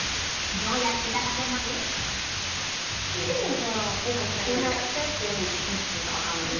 どうやって目立たせます？